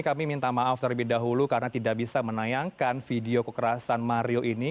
kami minta maaf terlebih dahulu karena tidak bisa menayangkan video kekerasan mario ini